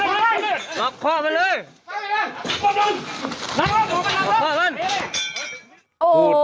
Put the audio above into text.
ละเข้าไปเละเทะอยู่ในห้องน้ำ